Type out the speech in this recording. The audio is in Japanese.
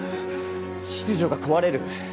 秩序が壊れる？